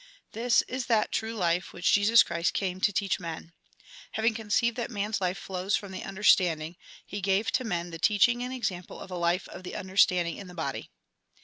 This is that true life which Jesus Christ came to teach to men. Having con ceived that man's life flows from the understanding, he gave to men the teaching and example of a life of the understanding in the body.